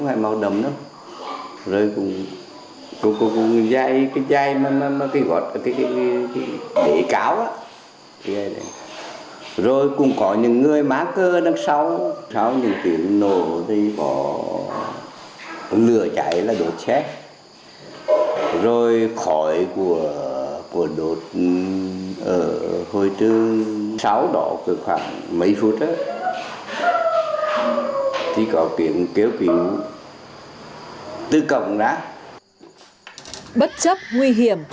hãy đăng ký kênh để ủng hộ kênh của mình nhé